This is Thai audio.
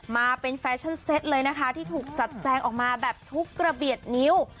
มาเป็นแฟชั่นเซตเลยนะคะที่ถูกจัดแจงออกมาแบบทุกกระเบียดนิ้ว